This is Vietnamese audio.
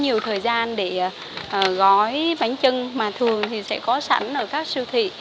nhiều thời gian để gói bánh trưng mà thường thì sẽ có sẵn ở các siêu thị